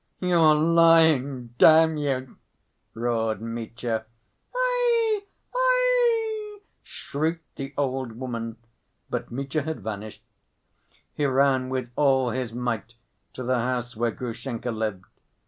"You're lying, damn you!" roared Mitya. "Aie! Aie!" shrieked the old woman, but Mitya had vanished. He ran with all his might to the house where Grushenka lived.